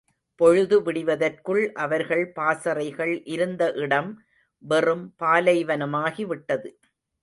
பொழுது விடிவதற்குள் அவர்கள் பாசறைகள் இருந்த இடம் வெறும் பாலைவனமாகி விட்டது.